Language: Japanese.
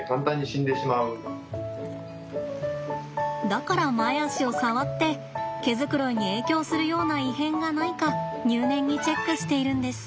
だから前足を触って毛づくろいに影響するような異変がないか入念にチェックしているんです。